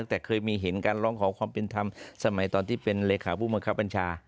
แต่เคยมีเห็นการร้องขอความเป็นธรรมสมัยตอนที่เป็นเลขาผู้บังคับบัญชา